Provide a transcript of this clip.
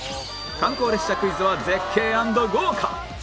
観光列車クイズは絶景＆豪華！